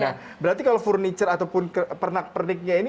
nah berarti kalau furniture ataupun pernak perniknya itu itu ada apa